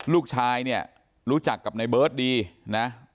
ลูกชายเนี่ยรู้จักกับในเบิร์ตดีนะ